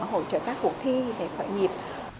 hỗ trợ các cuộc thi về khởi nghiệp